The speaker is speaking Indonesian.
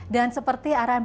dan seperti arahan presiden pak